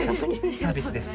サービスです。